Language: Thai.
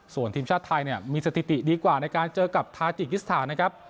ส่วนทีมชาติไทยเนี่ยมีสถิติดีกว่าในการเจอกับทาจิกิสถานนะครับ